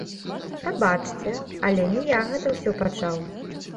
Прабачце, але не я гэта ўсё пачаў!